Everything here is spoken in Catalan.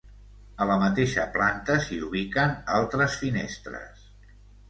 A la mateixa planta s'hi ubiquen altres finestres.